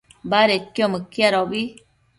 badedquio mëquiadobi